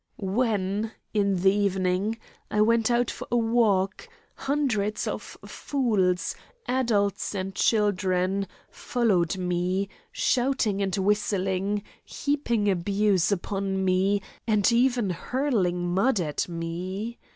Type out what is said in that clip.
When, in the evening, I went out for a walk, hundreds of fools, adults and children, followed me, shouting and whistling, heaping abuse upon me, and even hurling mud at me.